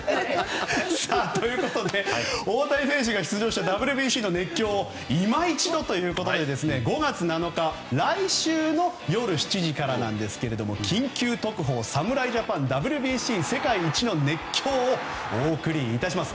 大谷選手が出場したＷＢＣの熱狂を今一度ということで５月７日、来週の夜７時から「緊急特報！侍ジャパンＷＢＣ世界一の熱狂！」をお送りいたします。